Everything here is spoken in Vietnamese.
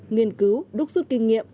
nghiên cứu đúc xuất kinh nghiệm